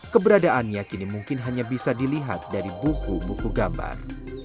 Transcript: keberadaannya kini mungkin hanya bisa dilihat dari buku buku gambar